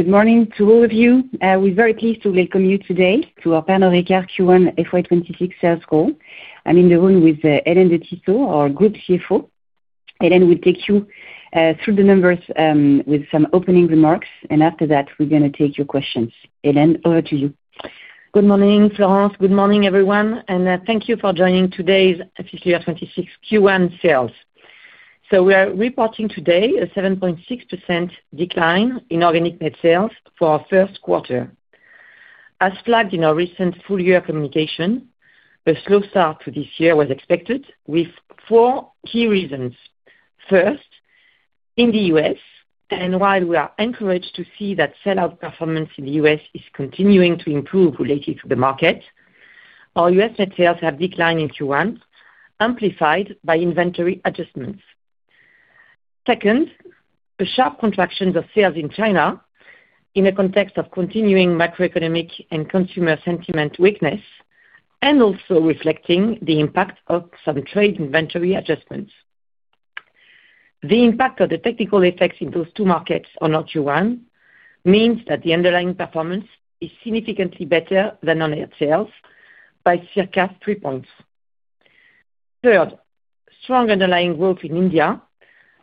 Good morning to all of you. We're very pleased to welcome you today to our Pernod Ricard Q1 FY 2026 sales call. I'm in the room with Hélène de Tissot, our Group CFO. Hélène will take you through the numbers, with some opening remarks. After that, we're going to take your questions. Hélène, over to you. Good morning, Florence. Good morning, everyone. Thank you for joining today's FY 2026 Q1 sales. We are reporting today a 7.6% decline in organic sales for our first quarter. As flagged in our recent full-year communication, a slow start to this year was expected with four key reasons. First, in the U.S., while we are encouraged to see that sell-out performance in the U.S. is continuing to improve related to the market, our U.S. sales have declined in Q1, amplified by inventory adjustments. Second, a sharp contraction of sales in China in the context of continuing macroeconomic and consumer sentiment weakness, also reflecting the impact of some trade inventory adjustments. The impact of the technical effects in those two markets on our Q1 means that the underlying performance is significantly better than on our sales by circa 3 points. Third, strong underlying growth in India,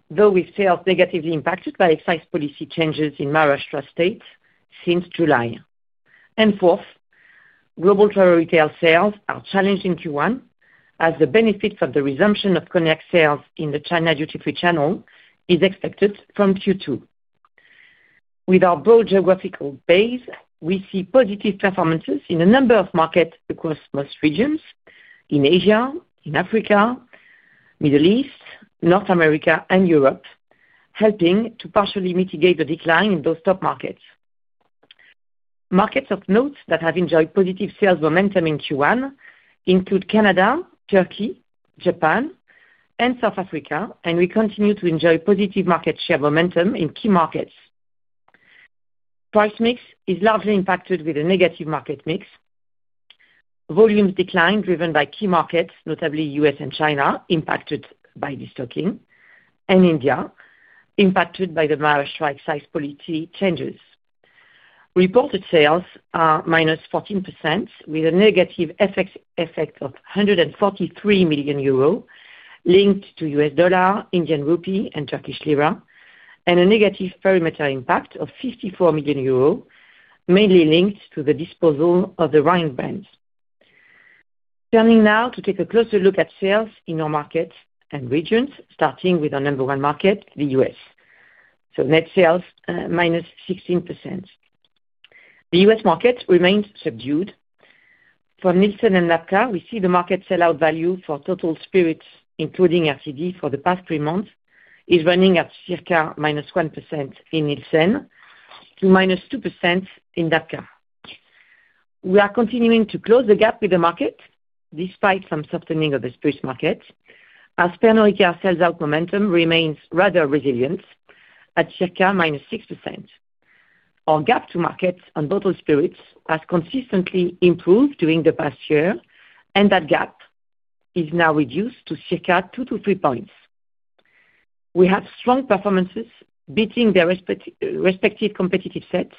though with sales negatively impacted by excise policy changes in Maharashtra since July. Fourth, global travel retail sales are challenged in Q1, as the benefits of the resumption of cognac sales in the China duty-free channel are expected from Q2. With our broad geographical base, we see positive performances in a number of markets across most regions – in Asia, in Africa, the Middle East, North America, and Europe, helping to partially mitigate the decline in those top markets. Markets of note that have enjoyed positive sales momentum in Q1 include Canada, Turkey, Japan, and South Africa, and we continue to enjoy positive market share momentum in key markets. Price mix is largely impacted with a negative market mix. Volumes decline, driven by key markets, notably U.S. and China, impacted by restocking, and India, impacted by the Maharashtra excise policy changes. Reported sales are -14%, with a negative FX effect of 143 million euros linked to U.S. dollar, Indian rupee, and Turkish lira, and a negative perimeter impact of 54 million euros, mainly linked to the disposal of the Rhein brand. Turning now to take a closer look at sales in our markets and regions, starting with our number one market, the U.S. Net sales, -16%. The U.S. market remains subdued. For Nielsen and DABCA, we see the market sell-out value for total spirits, including RCD, for the past three months is running at circa -1% in Nielsen to -2% in DABCA. We are continuing to close the gap with the market despite some softening of the spirits market, as Pernod Ricard sell-out momentum remains rather resilient at circa -6%. Our gap to market on bottled spirits has consistently improved during the past year, and that gap is now reduced to circa 2-3 points. We have strong performances beating their respective competitive sets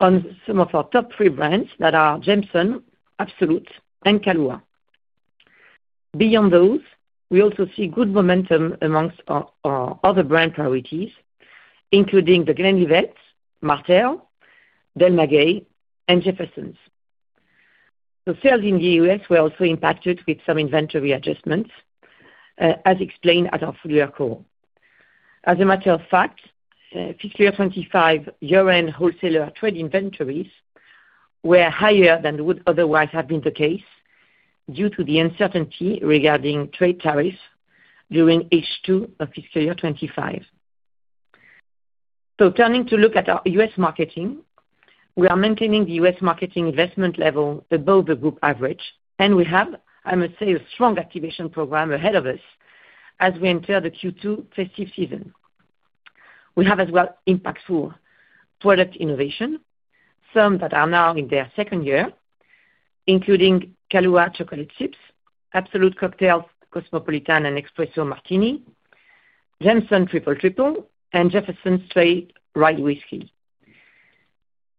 on some of our top three brands that are Jameson, Absolut, and Kahlúa. Beyond those, we also see good momentum amongst our other brand priorities, including The Glenlivet, Martell, Del Maguey, and Jefferson's. The sales in the U.S. were also impacted with some inventory adjustments, as explained at our full-year call. As a matter of fact, fiscal year 2025 year-end wholesaler trade inventories were higher than would otherwise have been the case due to the uncertainty regarding trade tariffs during H2 of fiscal year 2025. Turning to look at our U.S. marketing, we are maintaining the U.S. marketing investment level above the group average, and we have, I must say, a strong activation program ahead of us as we enter the Q2 festive season. We have as well impactful product innovation, some that are now in their second year, including Kahlúa Chocolate Chips, Absolut cocktails, Cosmopolitan and Espresso Martini, Jameson Triple Triple, and Jefferson's Straight Rye Whiskey.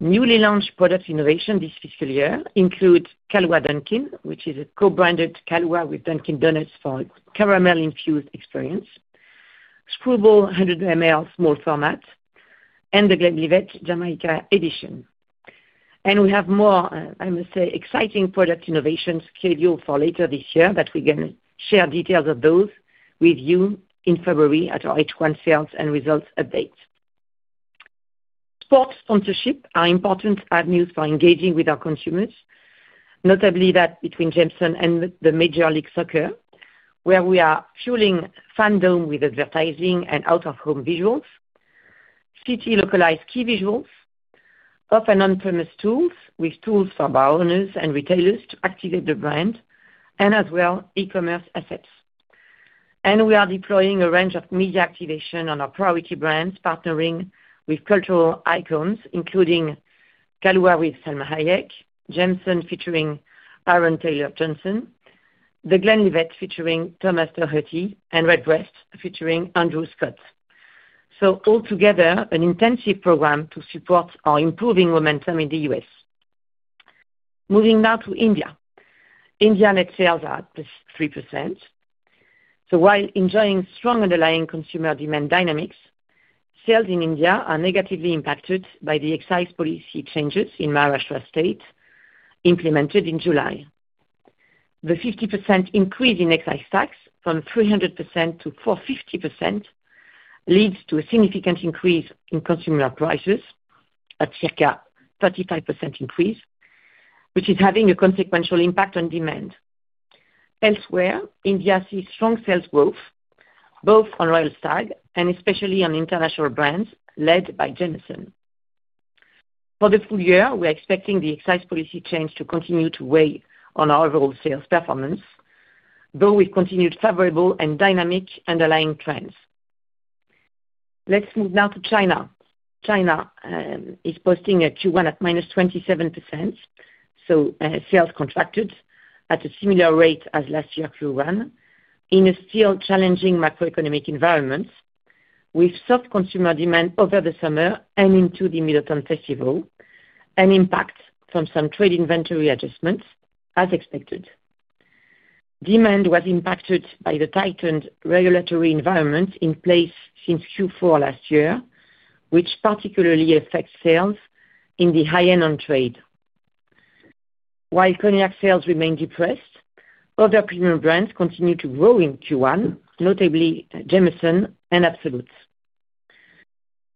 Newly launched product innovation this fiscal year includes Kahlúa Dunkin', which is a co-branded Kahlúa with Dunkin' for a caramel-infused experience, Skrewball 100 mL small format, and The Glenlivet Jamaica Edition. We have more, I must say, exciting product innovations scheduled for later this year that we are going to share details of with you in February at our H1 sales and results update. Sports sponsorships are important avenues for engaging with our consumers, notably that between Jameson and Major League Soccer, where we are fueling fandom with advertising and out-of-home visuals, city-localized key visuals, off- and on-premise tools for bar owners and retailers to activate the brand, and as well e-commerce assets. We are deploying a range of media activation on our priority brands, partnering with cultural icons, including Kahlúa with Salma Hayek, Jameson featuring Aaron Taylor-Johnson, The Glenlivet featuring Thomas Doherty, and Redbreast featuring Andrew Scott. Altogether, an intensive program to support our improving momentum in the U.S. Moving now to India. India net sales are at 3%. While enjoying strong underlying consumer demand dynamics, sales in India are negatively impacted by the excise policy changes in Maharashtra implemented in July. The 50% increase in excise tax from 300%-450% leads to a significant increase in consumer prices at circa 35% increase, which is having a consequential impact on demand. Elsewhere, India sees strong sales growth, both on Royal Stag and especially on international brands led by Jameson. For the full year, we are expecting the excise policy change to continue to weigh on our overall sales performance, though with continued favorable and dynamic underlying trends. Let's move now to China. China is posting a Q1 at -27%, so sales contracted at a similar rate as last year Q1, in a still challenging macroeconomic environment, with soft consumer demand over the summer and into the Mid-Autumn Festival, and impact from some trade inventory adjustments as expected. Demand was impacted by the tightened regulatory environment in place since Q4 last year, which particularly affects sales in the high-end on trade. While cognac sales remain depressed, other premium brands continue to grow in Q1, notably Jameson and Absolut.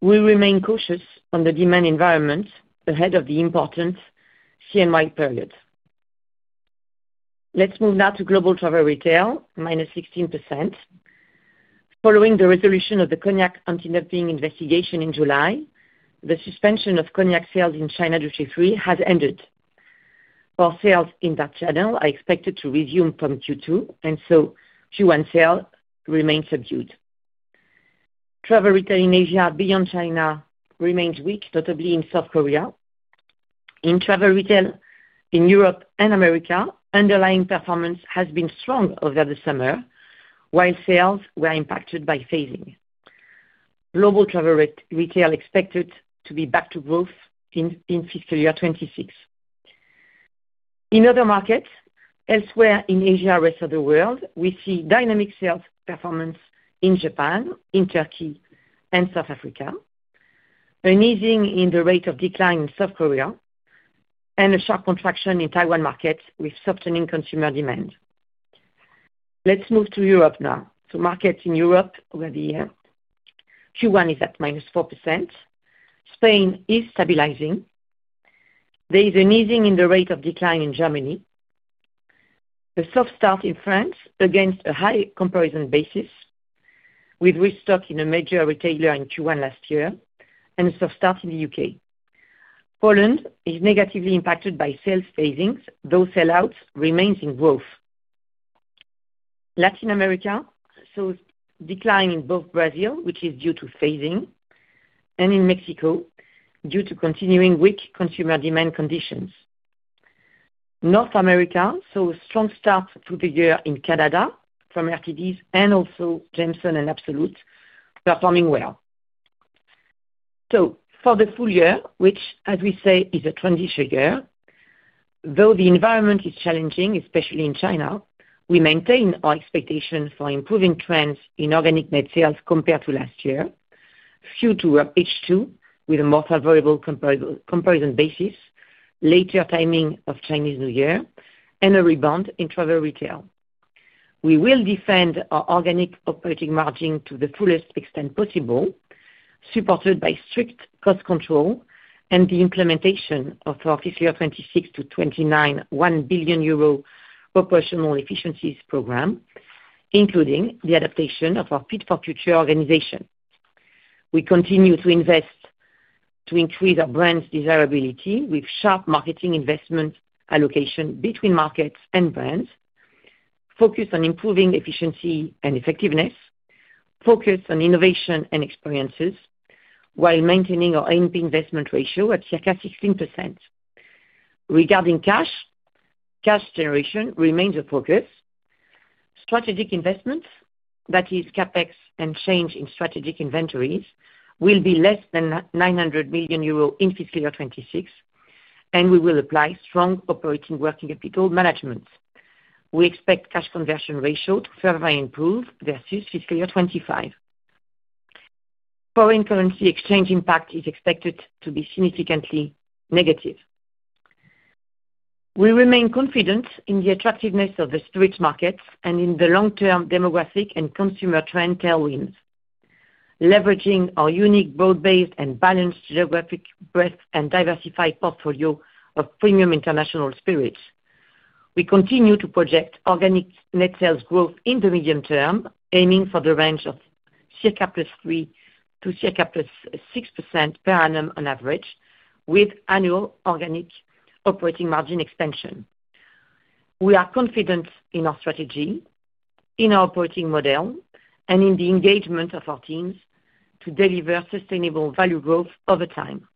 We remain cautious on the demand environment ahead of the important CNY period. Let's move now to global travel retail, -16%. Following the resolution of the cognac anti-dumping investigation in July, the suspension of cognac sales in China duty-free has ended. Our sales in that channel are expected to resume from Q2, and so Q1 sales remain subdued. Travel retail in Asia beyond China remains weak, notably in South Korea. In travel retail in Europe and America, underlying performance has been strong over the summer, while sales were impacted by phasing. Global travel retail is expected to be back to growth in fiscal year 2026. In other markets, elsewhere in Asia and the rest of the world, we see dynamic sales performance in Japan, in Turkey, and South Africa, an easing in the rate of decline in South Korea, and a sharp contraction in Taiwan markets with softening consumer demand. Let's move to Europe now. Markets in Europe over the year, Q1 is at -4%. Spain is stabilizing. There is an easing in the rate of decline in Germany. A soft start in France against a high comparison basis with restock in a major retailer in Q1 last year, and a soft start in the U.K. Poland is negatively impacted by sales phasing, though sell-out remains in growth. Latin America shows decline in both Brazil, which is due to phasing, and in Mexico due to continuing weak consumer demand conditions. North America shows a strong start to the year in Canada from RCDs and also Jameson and Absolut performing well. For the full year, which, as we say, is a transition year, though the environment is challenging, especially in China, we maintain our expectation for improving trends in organic net sales compared to last year, Q2 of H2 with a more favorable comparison basis, later timing of Chinese New Year, and a rebound in travel retail. We will defend our organic operating margin to the fullest extent possible, supported by strict cost control and the implementation of our fiscal year 2026-2029 1 billion euro operational efficiency program, including the adaptation of our Fit for Future organization. We continue to invest to increase our brand's desirability with sharp marketing investment allocation between markets and brands, focus on improving efficiency and effectiveness, focus on innovation and experiences, while maintaining our ANP investment ratio at circa 16%. Regarding cash, cash generation remains a focus. Strategic investments, that is, CapEx and change in strategic inventories, will be less than 900 million euro in fiscal year 2026, and we will apply strong operating working capital management. We expect cash conversion ratio to further improve versus fiscal year 2025. Foreign currency exchange impact is expected to be significantly negative. We remain confident in the attractiveness of the spirits markets and in the long-term demographic and consumer trend tailwinds, leveraging our unique broad-based and balanced geographic breadth and diversified portfolio of premium international spirits. We continue to project organic net sales growth in the medium term, aiming for the range of circa +3% to circa +6% per annum on average, with annual organic operating margin expansion. We are confident in our strategy, in our operating model, and in the engagement of our teams to deliver sustainable value growth over time.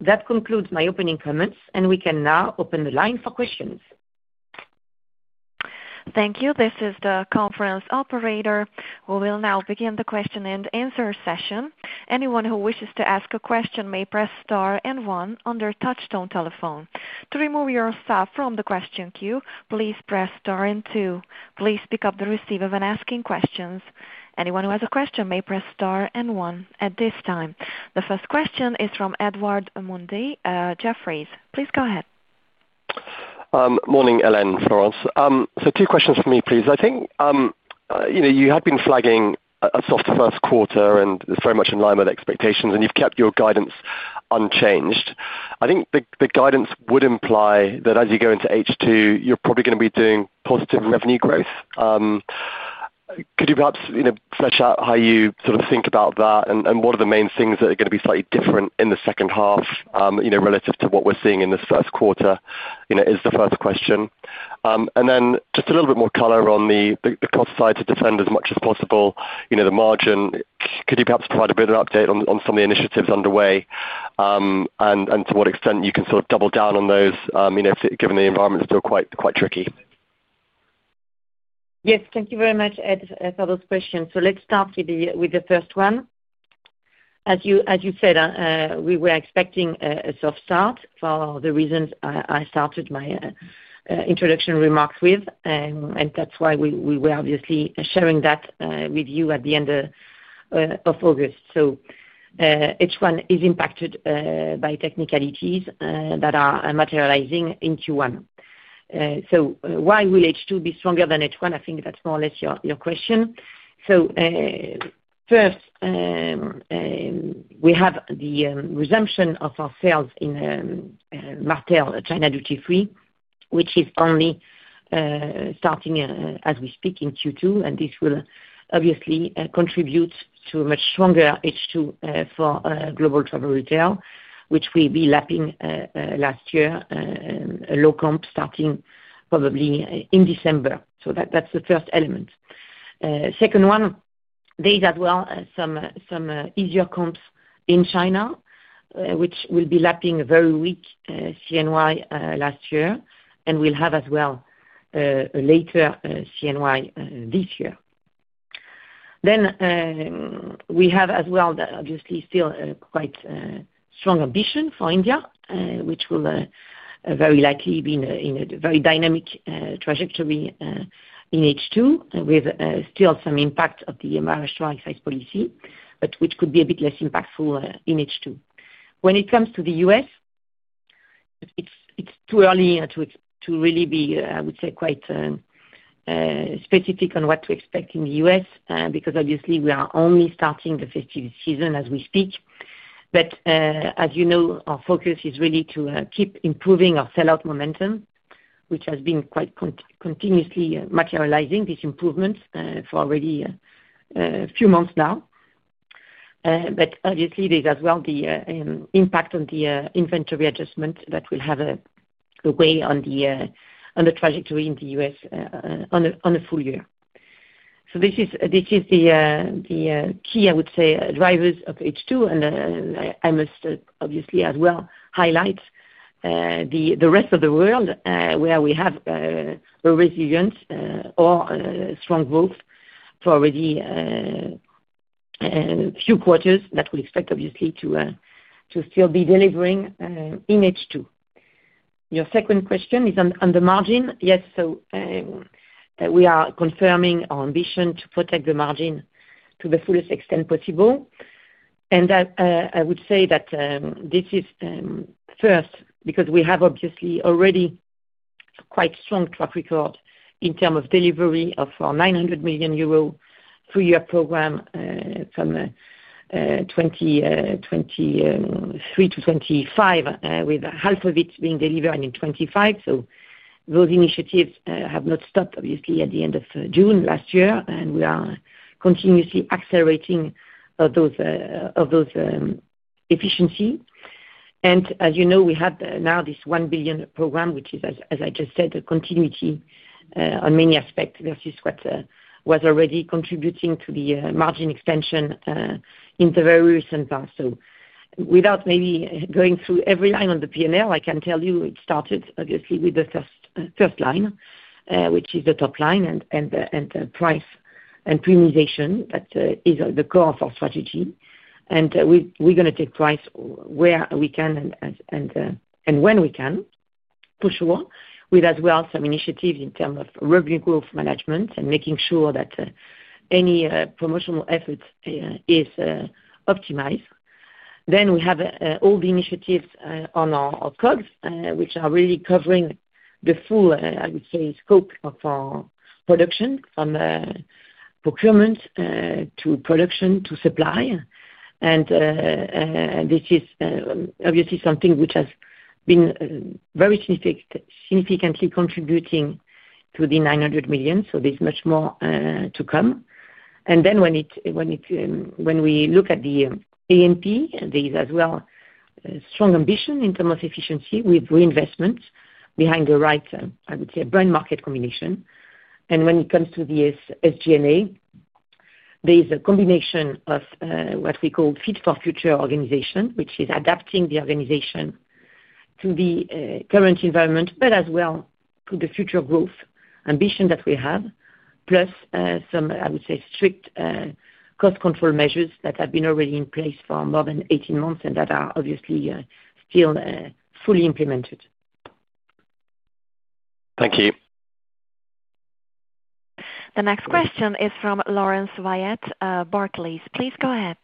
That concludes my opening comments, and we can now open the line for questions. Thank you. This is the conference operator. We will now begin the question and answer session. Anyone who wishes to ask a question may press star and one on their touch-tone telephone. To remove yourself from the question queue, please press star and two. Please pick up the receiver when asking questions. Anyone who has a question may press star and one at this time. The first question is from Edward Mundy, Jefferies. Please go ahead. Morning, Hélène, Florence. Two questions for me, please. I think you had been flagging a soft first quarter, and it's very much in line with expectations, and you've kept your guidance unchanged. I think the guidance would imply that as you go into H2, you're probably going to be doing positive revenue growth. Could you perhaps flesh out how you sort of think about that and what are the main things that are going to be slightly different in the second half relative to what we're seeing in this first quarter? That is the first question. Then just a little bit more color on the cost side to defend as much as possible the margin. Could you perhaps provide a bit of an update on some of the initiatives underway, and to what extent you can sort of double down on those, given the environment's still quite tricky? Yes. Thank you very much, Ed, for those questions. Let's start with the first one. As you said, we were expecting a soft start for the reasons I started my introduction remarks with, and that's why we were obviously sharing that with you at the end of August. H1 is impacted by technicalities that are materializing in Q1. Why will H2 be stronger than H1? I think that's more or less your question. First, we have the resumption of our sales in Martell, China duty-free, which is only starting as we speak in Q2. This will obviously contribute to a much stronger H2 for global travel retail, which will be lapping last year, a low comp starting probably in December. That's the first element. Second, there are as well some easier comps in China, which will be lapping a very weak CNY last year, and we'll have as well a later CNY this year. Then, we have as well the obviously still quite strong ambition for India, which will very likely be in a very dynamic trajectory in H2, with still some impact of the Maharashtra excise policy, but which could be a bit less impactful in H2. When it comes to the U.S., it's too early to really be, I would say, quite specific on what to expect in the U.S., because obviously, we are only starting the festive season as we speak. As you know, our focus is really to keep improving our sell-out momentum, which has been quite continuously materializing, this improvement, for already a few months now. Obviously, there's as well the impact on the inventory adjustment that will have a weigh on the trajectory in the U.S. on a full year. This is the key, I would say, drivers of H2, and I must obviously as well highlight the rest of the world, where we have a resilient or strong growth for already few quarters that we expect obviously to still be delivering in H2. Your second question is on the margin. Yes. We are confirming our ambition to protect the margin to the fullest extent possible. I would say that this is first because we have obviously already a quite strong track record in terms of delivery of our 900 million euro three-year program, from 2023-2025, with a half of it being delivered in 2025. Those initiatives have not stopped at the end of June last year, and we are continuously accelerating those efficiency measures. As you know, we have now this 1 billion program, which is, as I just said, a continuity on many aspects versus what was already contributing to the margin expansion in the very recent past. Without going through every line on the P&L, I can tell you it started with the first line, which is the top line and the price and premiumization that is the core of our strategy. We are going to take price where we can and when we can, for sure, with some initiatives in terms of revenue growth management and making sure that any promotional efforts are optimized. We have all the initiatives on our COGS, which are really covering the full scope of our production from procurement to production to supply. This is obviously something which has been very significant, significantly contributing to the 900 million. There is much more to come. When we look at the ANP, there is as well strong ambition in terms of efficiency with reinvestments behind the right brand market combination. When it comes to the SG&A, there is a combination of what we call Fit for Future organization, which is adapting the organization to the current environment, but as well to the future growth ambition that we have, plus some strict cost control measures that have been already in place for more than 18 months and that are obviously still fully implemented. Thank you. The next question is from Laurence Whyatt, Barclays. Please go ahead.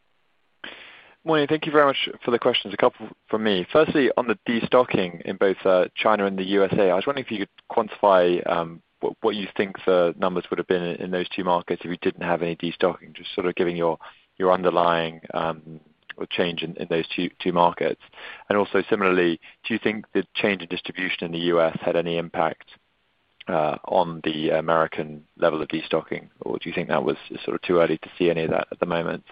Morning. Thank you very much for the questions. A couple for me. Firstly, on the destocking in both China and the United States, I was wondering if you could quantify what you think the numbers would have been in those two markets if you didn't have any destocking, just sort of giving your underlying or change in those two markets. Also, similarly, do you think the change in distribution in the United States had any impact on the American level of destocking, or do you think that is sort of too early to see any of that at the moment?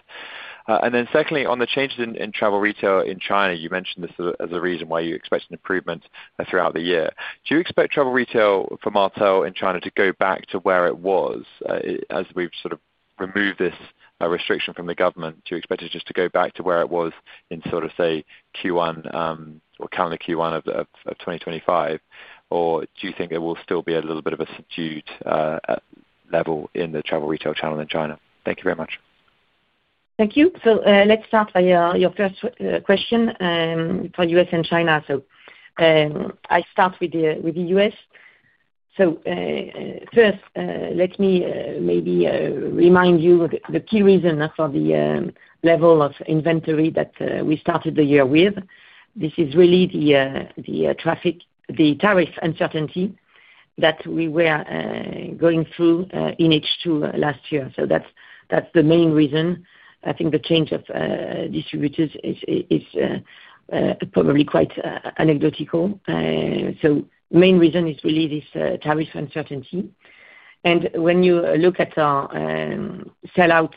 Secondly, on the changes in travel retail in China, you mentioned this as a reason why you expect an improvement throughout the year. Do you expect travel retail for Martell in China to go back to where it was, as we've sort of removed this restriction from the government? Do you expect it just to go back to where it was in, say, Q1 or calendar Q1 of 2025, or do you think it will still be a little bit of a subdued level in the travel retail channel in China? Thank you very much. Thank you. Let's start with your first question for the U.S. and China. I'll start with the U.S. First, let me remind you the key reason for the level of inventory that we started the year with. This is really the tariff uncertainty that we were going through in H2 last year. That's the main reason. I think the change of distributors is probably quite anecdotal. The main reason is really this tariff uncertainty. When you look at our sell-out,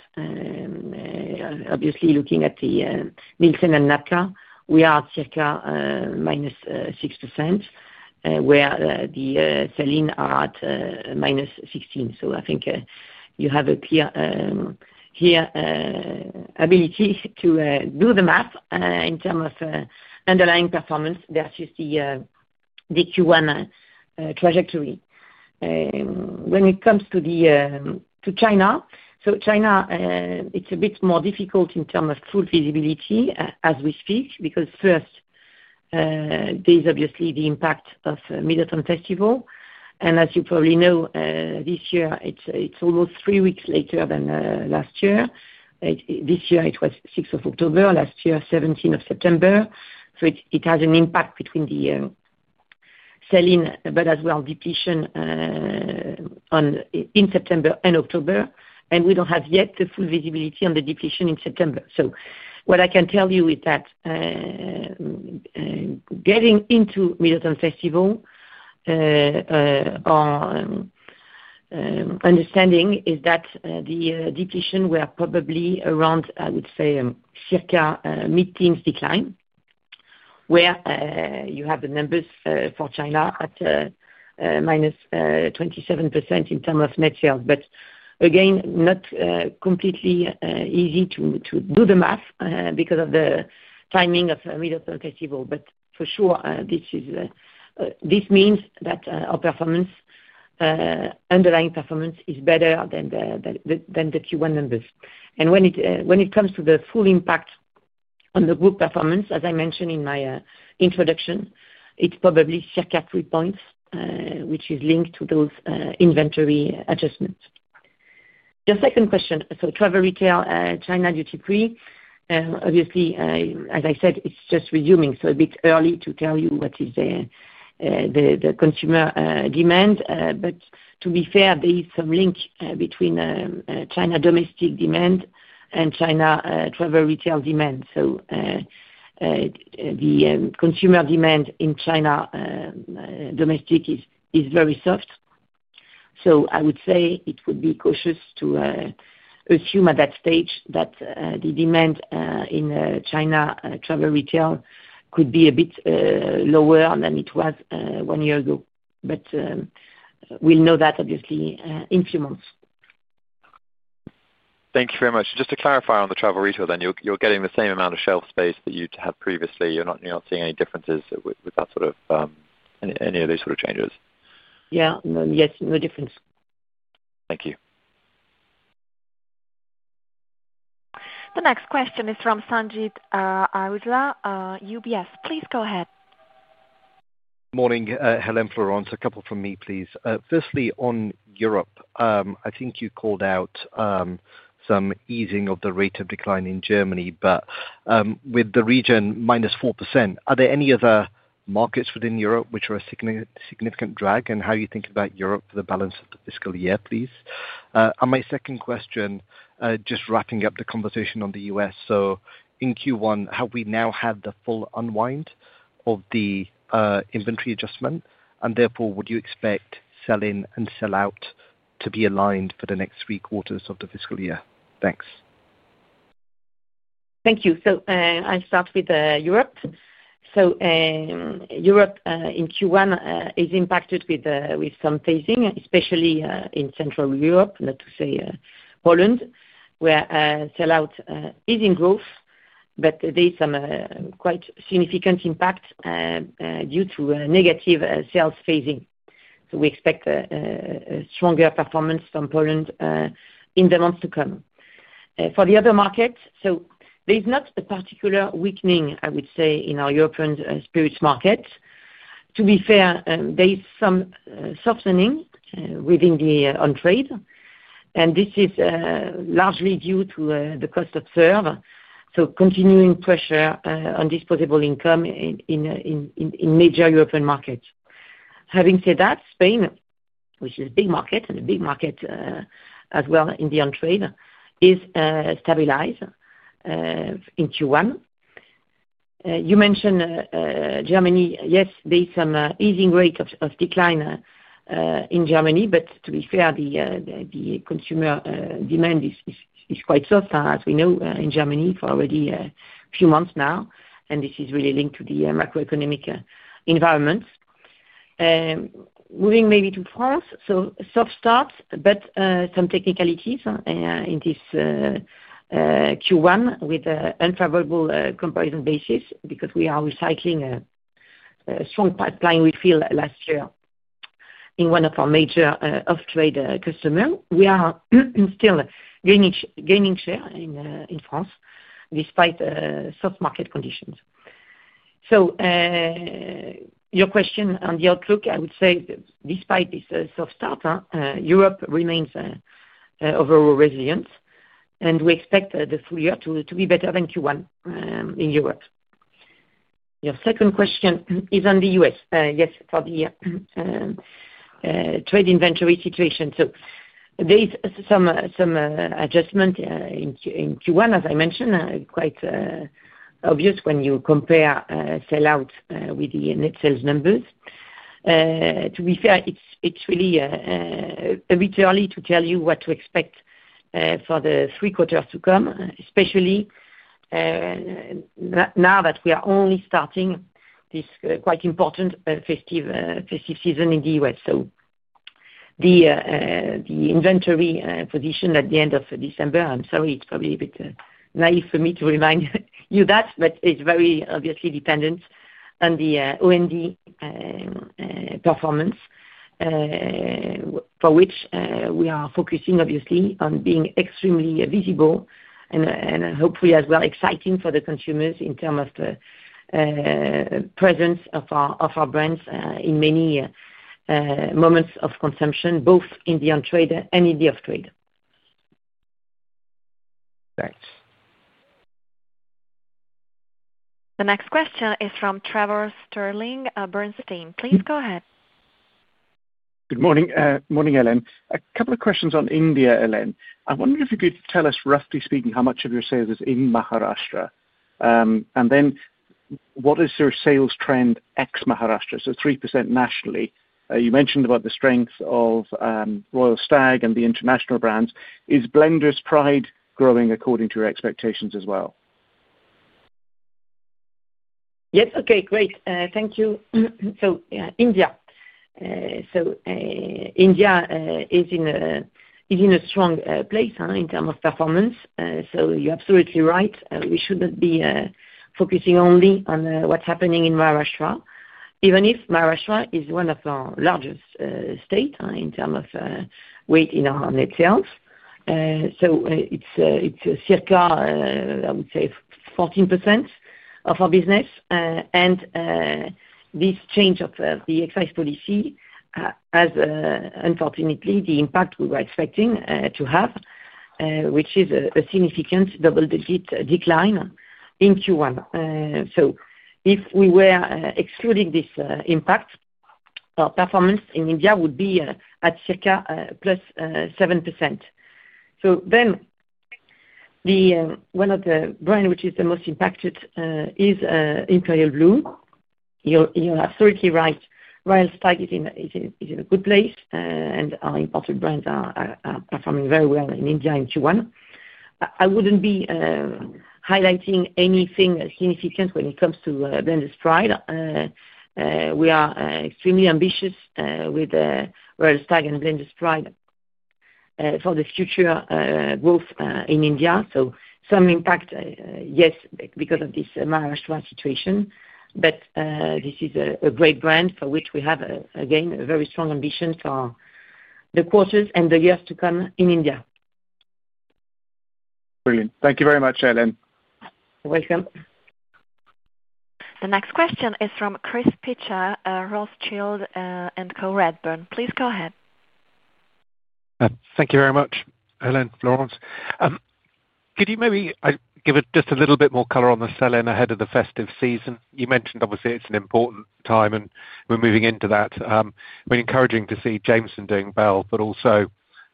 obviously looking at the Nielsen and DABCA, we are at circa -6%, where the sell-in is at -16%. I think you have a clear ability to do the math in terms of underlying performance versus the Q1 trajectory. When it comes to China, it's a bit more difficult in terms of full visibility as we speak because first, there's obviously the impact of Mid-Autumn Festival. As you probably know, this year it's almost three weeks later than last year. This year, it was October 6. Last year, September 17. It has an impact between the sell-in but as well depletion in September and October. We don't have yet the full visibility on the depletion in September. What I can tell you is that, getting into Mid-Autumn Festival, our understanding is that the depletion was probably around, I would say, circa mid-teens decline, where you have the numbers for China at -27% in terms of net sales. Again, not completely easy to do the math because of the timing of Mid-Autumn Festival. For sure, this means that our underlying performance is better than the Q1 numbers. When it comes to the full impact on the group performance, as I mentioned in my introduction, it's probably circa 3 points, which is linked to those inventory adjustments. Your second question. Travel retail, China duty-free, as I said, it's just resuming, so a bit early to tell you what is the consumer demand. To be fair, there is some link between China domestic demand and China travel retail demand. The consumer demand in China domestic is very soft. I would say it would be cautious to assume at that stage that the demand in China travel retail could be a bit lower than it was one year ago. We'll know that in a few months. Thank you very much. Just to clarify on the travel retail, you're getting the same amount of shelf space that you'd had previously. You're not seeing any differences with that, any of these sort of changes? Yeah, no. Yes, no difference. Thank you. The next question is from Sanjeet Aujla, UBS. Please go ahead. Morning, Hélène, Florence. A couple from me, please. Firstly, on Europe, I think you called out some easing of the rate of decline in Germany, but with the region -4%, are there any other markets within Europe which are a significant drag? How are you thinking about Europe for the balance of the fiscal year, please? My second question, just wrapping up the conversation on the U.S. In Q1, have we now had the full unwind of the inventory adjustment? Therefore, would you expect sell-in and sell-out to be aligned for the next three quarters of the fiscal year? Thanks. Thank you. I'll start with Europe. Europe, in Q1, is impacted with some phasing, especially in Central Europe, not to say Poland, where sell-out is in growth, but there's some quite significant impact due to negative sales phasing. We expect a stronger performance from Poland in the months to come. For the other markets, there's not a particular weakening, I would say, in our European spirits markets. To be fair, there's some softening within the on trade. This is largely due to the cost of serve, so continuing pressure on disposable income in major European markets. Having said that, Spain, which is a big market and a big market as well in the on trade, is stabilized in Q1. You mentioned Germany. Yes, there's some easing rate of decline in Germany, but to be fair, the consumer demand is quite soft, as we know, in Germany for already a few months now. This is really linked to the macroeconomic environment. Moving maybe to France, soft start, but some technicalities in this Q1 with unfavorable comparison basis because we are recycling a strong pipeline we filled last year in one of our major off-trade customers. We are still gaining share in France despite the soft market conditions. Your question on the outlook, I would say, despite this soft start, Europe remains overall resilient, and we expect the full year to be better than Q1 in Europe. Your second question is on the U.S., yes, for the trade inventory situation. There's some adjustment in Q1, as I mentioned, quite obvious when you compare sell-out with the net sales numbers. To be fair, it's really a bit early to tell you what to expect for the three quarters to come, especially now that we are only starting this quite important festive season in the U.S. The inventory position at the end of December, I'm sorry, it's probably a bit naive for me to remind you that, but it's very obviously dependent on the O&D performance, for which we are focusing obviously on being extremely visible and hopefully as well exciting for the consumers in terms of presence of our brands in many moments of consumption, both in the on trade and in the off-trade. Thanks. The next question is from Trevor Stirling, Bernstein. Please go ahead. Good morning. Morning, Hélène. A couple of questions on India, Hélène. I wonder if you could tell us, roughly speaking, how much of your sales is in Maharashtra? And then what is your sales trend ex-Maharashtra? 3% nationally. You mentioned about the strength of Royal Stag and the international brands. Is Blender's Pride growing according to your expectations as well? Yes. Okay. Great. Thank you. India is in a strong place in terms of performance. You're absolutely right, we shouldn't be focusing only on what's happening in Maharashtra, even if Maharashtra is one of our largest states in terms of weight in our net sales. It's circa, I would say, 14% of our business. This change of the excise policy has, unfortunately, the impact we were expecting to have, which is a significant double-digit decline in Q1. If we were excluding this impact, our performance in India would be at circa +7%. One of the brands which is the most impacted is Imperial Blue. You're absolutely right. Royal Stag is in a good place, and our imported brands are performing very well in India in Q1. I wouldn't be highlighting anything significant when it comes to Blender's Pride. We are extremely ambitious with Royal Stag and Blender's Pride for the future growth in India. There is some impact, yes, because of this Maharashtra situation. This is a great brand for which we have, again, a very strong ambition for the quarters and the years to come in India. Brilliant. Thank you very much, Hélène. You're welcome. The next question is from Chris Oitcher, Rothschild & Co, Redburn. Please go ahead. Thank you very much, Hélène, Florence. Could you maybe give just a little bit more color on the sell-in ahead of the festive season? You mentioned, obviously, it's an important time, and we're moving into that. I mean, encouraging to see Jameson doing well, but also,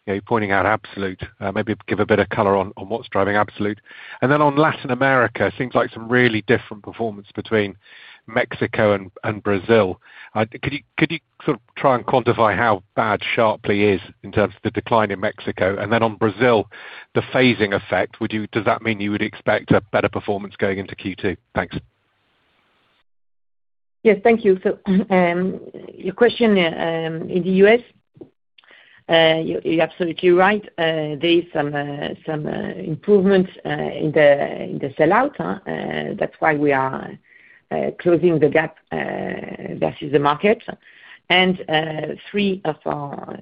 you know, pointing out Absolut. Maybe give a bit of color on what's driving Absolut. Then on Latin America, it seems like some really different performance between Mexico and Brazil. Could you sort of try and quantify how bad sharply is in terms of the decline in Mexico? Then on Brazil, the phasing effect, would you, does that mean you would expect a better performance going into Q2? Thanks. Yes. Thank you. Your question, in the U.S., you're absolutely right. There's some improvement in the sell-out. That's why we are closing the gap versus the market. Three of our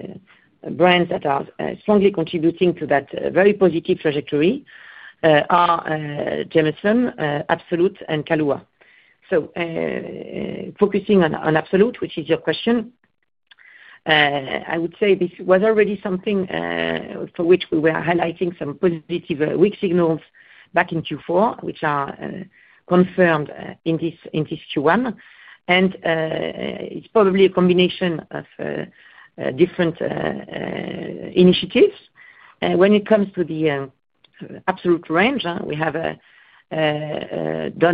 brands that are strongly contributing to that very positive trajectory are Jameson, Absolut, and Kahlúa. Focusing on Absolut, which is your question, I would say this was already something for which we were highlighting some positive, weak signals back in Q4, which are confirmed in this Q1. It's probably a combination of different initiatives. When it comes to the Absolut range, we have done,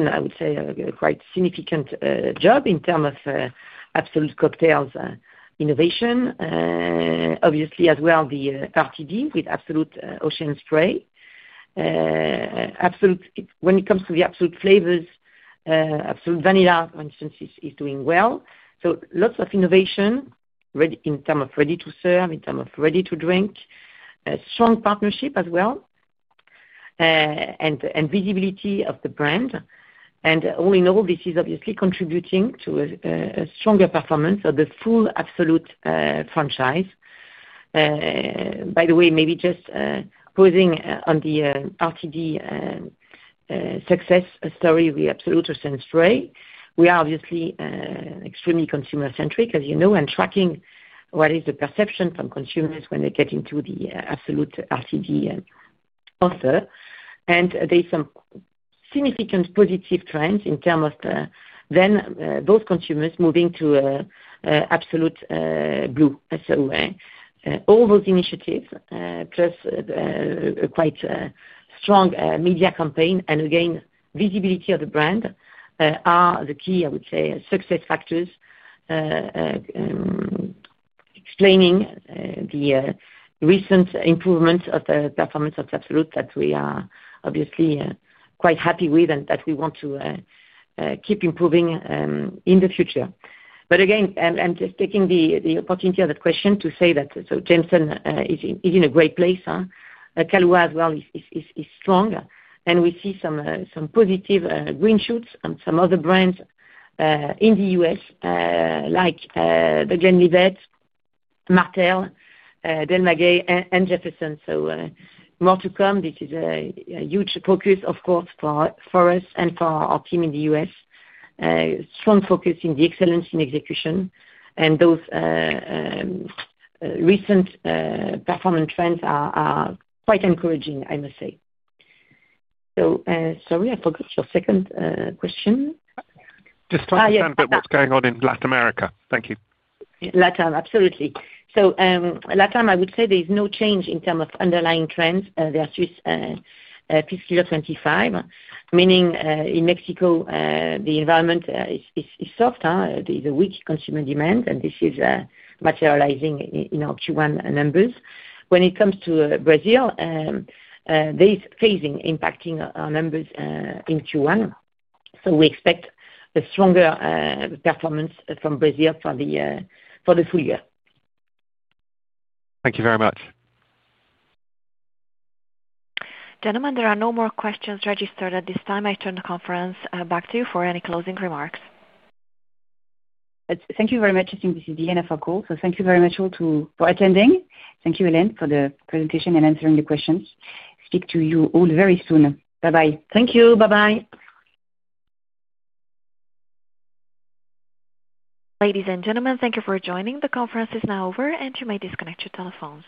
I would say, a quite significant job in terms of Absolut cocktails innovation. Obviously, as well, the RTD with Absolut Ocean Spray. Absolut, when it comes to the Absolut flavors, Absolut Vanilla, for instance, is doing well. Lots of innovation already in terms of ready-to-serve, in terms of ready-to-drink, a strong partnership as well, and visibility of the brand. All in all, this is obviously contributing to a stronger performance of the full Absolut franchise. By the way, maybe just pausing on the RTD success story with Absolut Ocean Spray. We are obviously extremely consumer-centric, as you know, and tracking what is the perception from consumers when they get into the Absolut RTD offer. There's some significant positive trends in terms of those consumers moving to Absolut Blue as well. All those initiatives, plus a quite strong media campaign and, again, visibility of the brand, are the key, I would say, success factors explaining the recent improvements of the performance of Absolut that we are obviously quite happy with and that we want to keep improving in the future. I'm just taking the opportunity of the question to say that Jameson is in a great place. Kahlúa as well is strong. We see some positive green shoots on some other brands in the U.S., like The Glenlivet, Martell, Del Maguey, and Jefferson. More to come. This is a huge focus, of course, for us and for our team in the U.S. Strong focus in the excellence in execution. Those recent performance trends are quite encouraging, I must say. Sorry, I forgot your second question. Just trying to understand a bit what's going on in Latin America. Thank you. LatAm, absolutely. LatAm, I would say there's no change in terms of underlying trends versus fiscal year 2025, meaning in Mexico, the environment is soft, the weak consumer demand, and this is materializing in our Q1 numbers. When it comes to Brazil, there's phasing impacting our numbers in Q1. We expect a stronger performance from Brazil for the full year. Thank you very much. Gentlemen, there are no more questions registered at this time. I turn the conference back to you for any closing remarks. Thank you very much. I think this is the end of our call. Thank you very much all for attending. Thank you, Hélène, for the presentation and answering the questions. Speak to you all very soon. Bye-bye. Thank you. Bye-bye. Ladies and gentlemen, thank you for joining. The conference is now over, and you may disconnect your telephone.